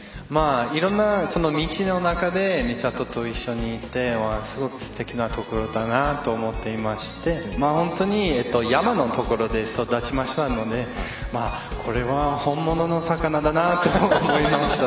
いろんな道の中で美里と一緒にいってすごくすてきなところだなと思っていまして本当に山のところで育ちましたのでこれは本物の魚だなと思いました。